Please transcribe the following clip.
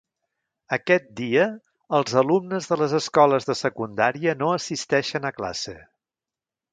Aquest dia els alumnes de les escoles de secundària no assisteixen a classe.